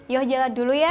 yuk jalan dulu ya